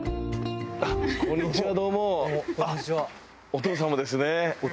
お父様ですね。